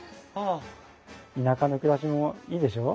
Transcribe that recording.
田舎の暮らしもいいでしょう？